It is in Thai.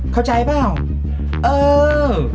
เข้าใจเปล่าเออ